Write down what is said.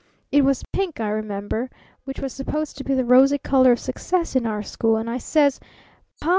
It was pink, I remember, which was supposed to be the rosy color of success in our school; and I says: 'Pa!